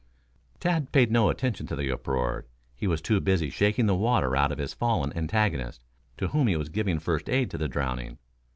Tad paid no attention to the uproar. He was too busy shaking the water out of his fallen antagonist, to whom he was giving first aid to the drowning.